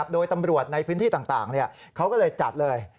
โดยตำรวจในพื้นที่ต่างเขาก็เลยจัดเลย